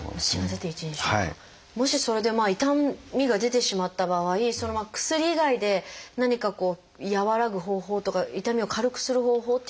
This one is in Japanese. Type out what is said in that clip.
もしそれで痛みが出てしまった場合薬以外で何かこう和らぐ方法とか痛みを軽くする方法っていうのはあるんですか？